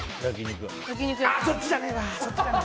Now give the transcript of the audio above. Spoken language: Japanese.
そっちじゃねえわ。